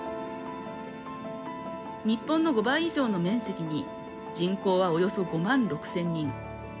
日本の５倍以上の面積に人口は、およそ５万６０００人。